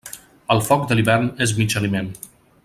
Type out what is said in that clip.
El foc de l'hivern és mig aliment.